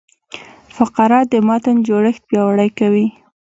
فقره د متن جوړښت پیاوړی کوي.